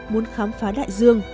muốn khám phá đại dương